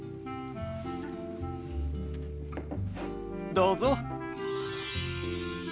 どうぞ。